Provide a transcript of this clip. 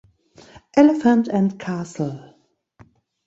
Elephant and Castle